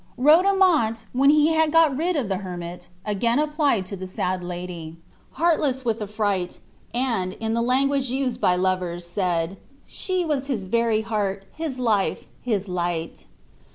Rodomont, when he had got rid of the hermit, again applied to the sad lady, heartless with affright, and, in the language used by lovers, said, "she was his very heart, his life, his light."